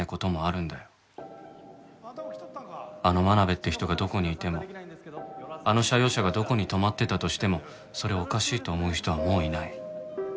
あの真鍋って人がどこにいてもあの社用車がどこに止まってたとしてもそれをおかしいと思う人はもういない。